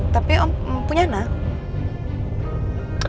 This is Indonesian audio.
tapi om punya anak